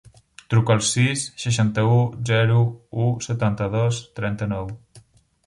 Truca al sis, seixanta-u, zero, u, setanta-dos, trenta-nou.